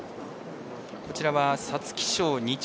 こちらは皐月賞２着